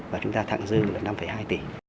và chúng ta thẳng dư là năm hai tỷ